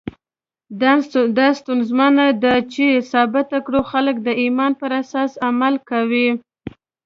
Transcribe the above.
دا ستونزمنه ده چې ثابته کړو خلکو د ایمان پر اساس عمل کاوه.